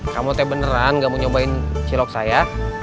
kamu teh beneran gak mau nyobain cilok saya